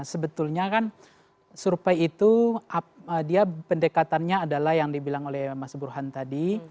sebetulnya kan survei itu pendekatannya adalah yang dibilang oleh mas burhan tadi